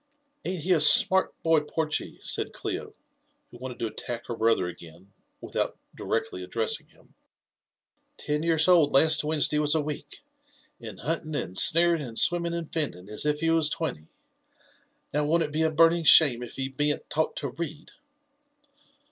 Ani't he a smart boy, Porchy?" said Clio, who wanted to atlack her brother again, without direclly addressing him. Ten years old last Wednesday was a week, and hunting and snaring, and swimming and Tending, as if he was twenty 1 Now won*t it be a burning shame if he bean'l taught to read?'